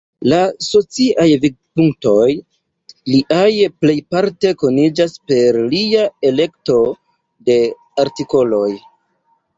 La sociaj vidpunktoj liaj plejparte koniĝas per lia elekto de artikoloj.